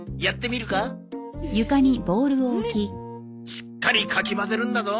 しっかりかき混ぜるんだぞ。